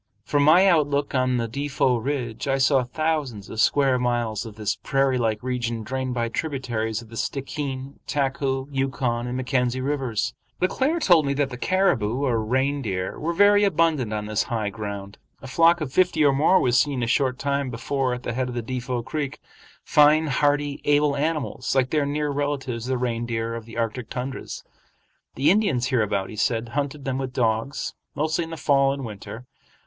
From my outlook on the Defot ridge I saw thousands of square miles of this prairie like region drained by tributaries of the Stickeen, Taku, Yukon, and Mackenzie Rivers. Le Claire told me that the caribou, or reindeer, were very abundant on this high ground. A flock of fifty or more was seen a short time before at the head of Defot Creek,—fine, hardy, able animals like their near relatives the reindeer of the Arctic tundras. The Indians hereabouts, he said, hunted them with dogs, mostly in the fall and winter.